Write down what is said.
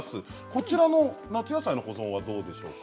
こちらの夏野菜の保存はどうでしょうか。